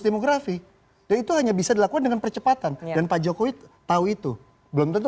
demografi dan itu hanya bisa dilakukan dengan percepatan dan pak jokowi tahu itu belum tentu